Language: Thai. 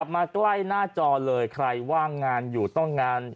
กลับมาก้วยหน้าจอเลยใครว่างานอยู่ต้องงาน